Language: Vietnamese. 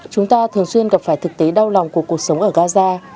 chúng ta thường xuyên gặp phải thực tế đau lòng của cuộc sống ở gaza